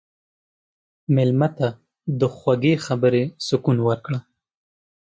مېلمه ته د خوږې خبرې سکون ورکړه.